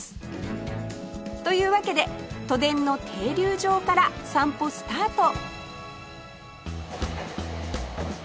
というわけで都電の停留場から散歩スタート